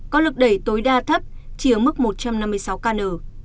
có lực đẩy tối đa thấp chỉ ở mức một trăm năm mươi sáu kn